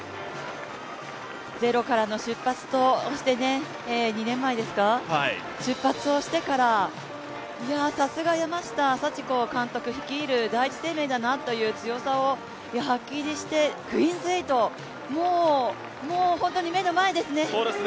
ゼロからの出発として２年前ですか、出発をしてからさすが山下佐知子監督率いる第一生命だなという強気を発揮して、クイーンズ８、もう目の前ですね。